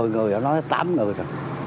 một mươi người nó nói tám người rồi